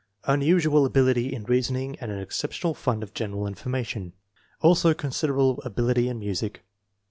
Unusual ability in reasoning and an exceptional fund of general information. Also considerable ability in music.